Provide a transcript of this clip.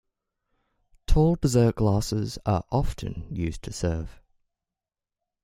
Tall dessert glasses are often used to serve.